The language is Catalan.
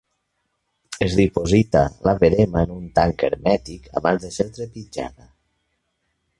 Es diposita la verema en un tanc hermètic abans de ser trepitjada.